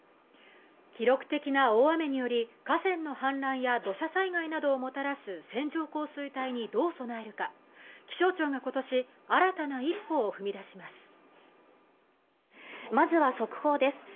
記録的な大雨により河川の氾濫や土砂災害などをもたらす線状降水帯にどう備えるか気象庁が今年新たな一歩を踏み出します